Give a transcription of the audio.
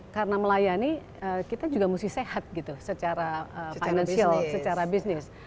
karena melayani kita juga mesti sehat gitu secara financial secara bisnis